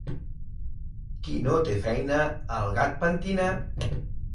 Qui no té feina el gat pentina.